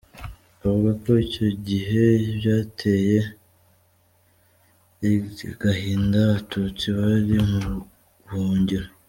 Avuga ko icyo gihe byateye agahinda Abatutsi bari mu buhungiro.